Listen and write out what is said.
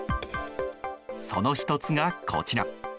その１つがこちら。